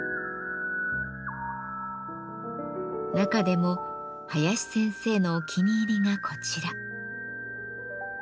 中でも林先生のお気に入りがこちら。